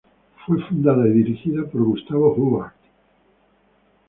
Fue fundada y dirigida por Gustavo Hubbard.